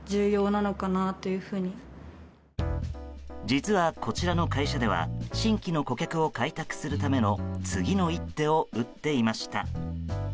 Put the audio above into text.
実は、こちらの会社では新規の顧客を開拓するための次の一手を打っていました。